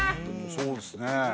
そうですね。